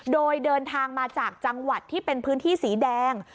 โดยเดินทางมาจากจังหวัดที่เป็นพื้นที่สีแดง